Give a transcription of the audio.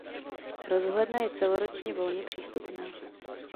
Rozhledna je celoročně volně přístupná.